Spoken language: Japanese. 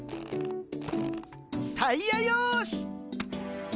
タイヤよし。